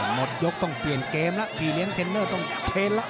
หมดยกต้องเปลี่ยนเกมละฟีเรียนเทรนเนอร์ต้องเทรนละ